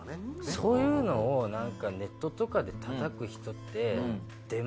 そういうのをなんかネットとかで叩く人って。